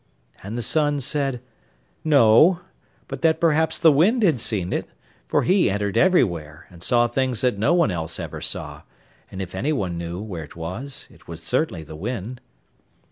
And the sun said no, but that perhaps the wind had seen it, for he entered everywhere, and saw things that no one else ever saw, and if anyone knew where it was, it was certainly the wind.